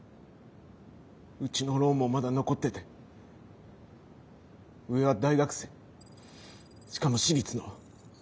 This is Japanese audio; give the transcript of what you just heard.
うちのローンもまだ残ってて上は大学生しかも私立の。